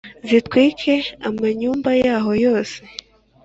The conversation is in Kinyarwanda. zitwike amanyumba yaho yose